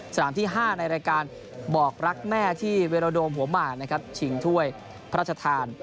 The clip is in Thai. สนามที่๕ในรายการบอกรักแม่ที่เวโรโดมหัวหมากนะครับชิงถ้วยพระราชทาน